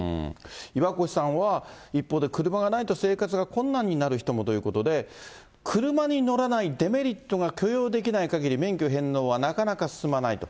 岩越さんは、一方で車がないと生活が困難になる人もということで、車に乗らないデメリットが許容できないかぎり、免許返納はなかなか進まないと。